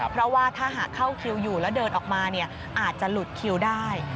เพราะว่าถ้าหากเข้าคิวอยู่แล้วเดินออกมาอาจจะหลุดคิวได้